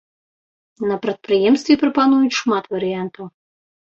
На прадпрыемстве прапануюць шмат варыянтаў.